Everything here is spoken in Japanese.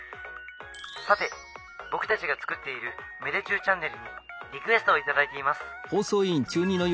さて僕たちが作っている芽出中チャンネルにリクエストを頂いています」。